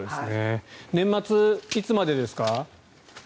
年末、いつまでですか？